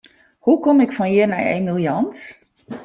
Hoe kom ik fan hjir nei Emiel Jans?